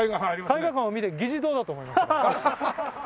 絵画館を見て議事堂だと思いましたもん。